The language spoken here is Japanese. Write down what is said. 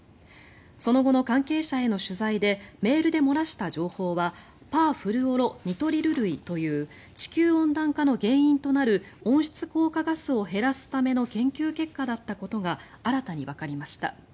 その後の関係者への取材でメールで漏らした情報はパーフルオロニトリル類という地球温暖化の原因となる温室効果ガスを減らすための研究結果だったことが新たにわかりました。